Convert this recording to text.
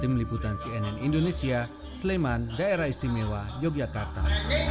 tim liputan cnn indonesia sleman daerah istimewa yogyakarta